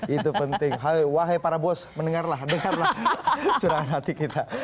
itu penting wahai para bos mendengarlah dengarlah curahan hati kita